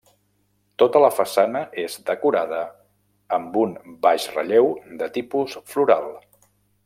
Tota la façana és decorada amb un baix relleu de tipus floral.